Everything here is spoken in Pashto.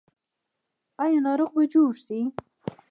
آیا ناروغ به جوړ شي؟